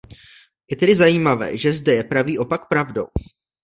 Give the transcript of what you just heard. Je tedy zajímavé, že zde je pravý opak pravdou.